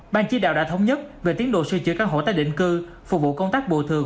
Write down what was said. ban chí đạo đã thống nhất về tiến độ xây dựa các hộ tái định cư phục vụ công tác bộ thường